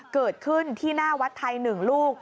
เกิดขึ้นที่หน้าวัดไทย๑ลูก